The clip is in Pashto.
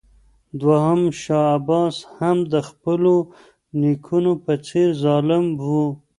دوهم شاه عباس هم د خپلو نیکونو په څېر ظالم و.